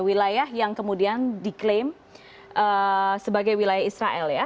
wilayah yang kemudian diklaim sebagai wilayah israel ya